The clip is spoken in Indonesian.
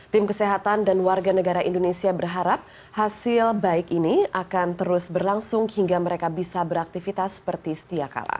tim kesehatan dan warga negara indonesia berharap hasil baik ini akan terus berlangsung hingga mereka bisa beraktivitas seperti setiap kala